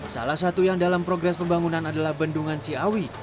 salah satu yang dalam progres pembangunan adalah bendungan ciawi